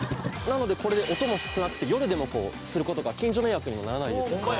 なのでこれで音も少なくて夜でもする事が近所迷惑にもならないですよね。